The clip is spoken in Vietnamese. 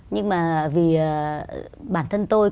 nhưng mà vì bản thân tôi